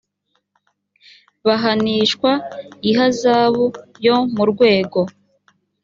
bahanishwa ihazabu yo mu rwego